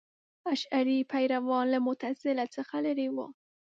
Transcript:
اشعري پیروان له معتزله څخه لرې وو.